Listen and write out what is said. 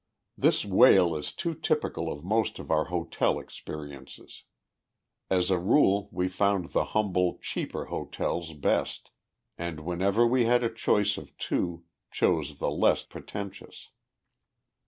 This wail is too typical of most of our hotel experiences. As a rule we found the humble, cheaper hotels best, and, whenever we had a choice of two, chose the less pretentious.